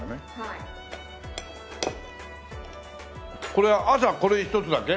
これは朝これ１つだけ？